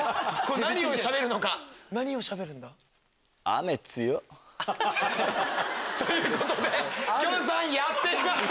何をしゃべるのか何をしゃべるんだ？ということできょんさんやっていました！